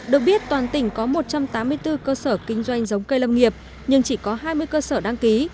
được biết toàn tỉnh có một trăm tám mươi bốn cơ sở kinh doanh giống cây lâm nghiệp nhưng chỉ có hai mươi cơ sở đăng ký